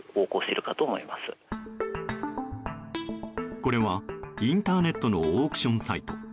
これはインターネットのオークションサイト。